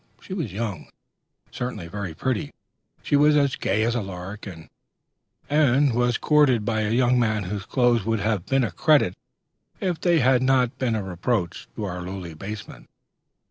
She was young, and certainly very pretty; she was as gay as a lark, and was courted by a young man whose clothes would have been a credit, if they had not been a reproach, to our lowly basement.